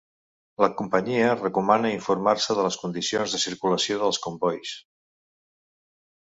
La companyia recomana informar-se de les condicions de circulació dels combois.